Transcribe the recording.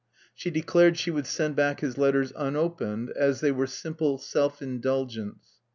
She declared she would send back his letters unopened, as they were "simple self indulgence."